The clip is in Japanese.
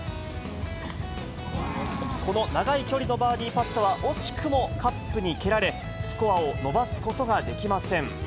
この長い距離のバーディーパットは惜しくもカップにけられ、スコアを伸ばすことができません。